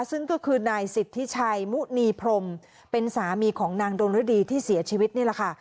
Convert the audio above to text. ซึ่งก็คือนายสิทธิชัยมุณีพรมเป็นสามีของนางดงฤดีที่เสียชีวิตนี่แหละค่ะ